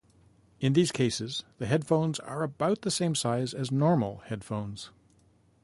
In these cases, the headphones are about the same size as normal headphones.